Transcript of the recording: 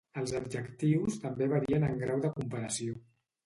Els adjectius també varien en grau de comparació.